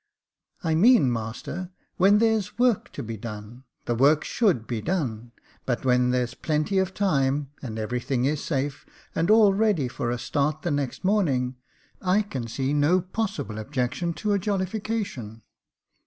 " I mean, master, when there's work to be done, the work should be done ; but when there's plenty of time, and every thing is safe, and all ready for a start the next morning, I can see no possible objection to a jollification.